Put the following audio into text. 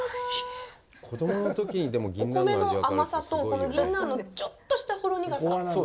お米の甘さとこのギンナンのちょっとしたほろ苦さ。